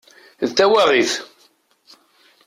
D tawaɣit!